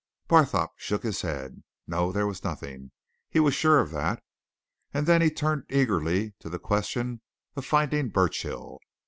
Barthorpe shook his head. No there was nothing he was sure of that. And then he turned eagerly to the question of finding Burchill.